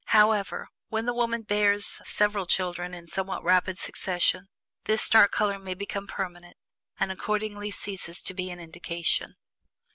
However, when the woman bears several children in somewhat rapid succession, this dark color may become permanent and accordingly ceases to be an indication.